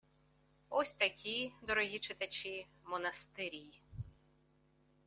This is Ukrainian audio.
Ось такі, дорогі читачі, монастирі!